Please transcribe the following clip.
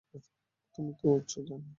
তুমি তো উড়ছ, জনি!